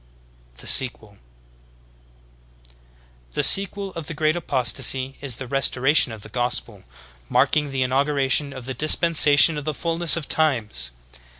"* THE SEQUEL. 32. The sequel of the Great Apostasy is the Restoration of the Gospel, marking the inauguration of the Dispensation of the Fulness of Times.